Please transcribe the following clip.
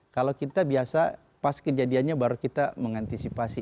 kalau kita biasa pas kejadiannya baru kita mengantisipasi